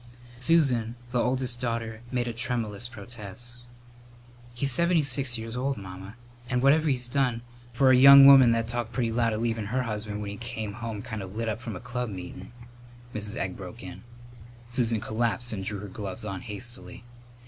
Susan, the oldest daughter, made a tremulous protest. "He's seventy six years old, Mamma, and whatever he's done " "For a young woman that talked pretty loud of leavin' her husband when he came home kind of lit up from a club meetin' " Mrs. Egg broke in. Susan collapsed and drew her gloves on hastily.